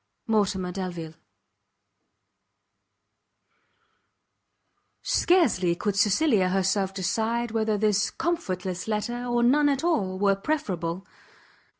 Mortimer Delvile. Scarcely could Cecilia herself decide whether this comfortless letter or none at all were preferable.